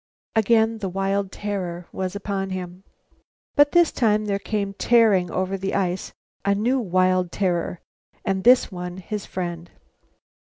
Again the wild terror was upon him. But this time there came tearing over the ice a new wild terror, and this one his friend.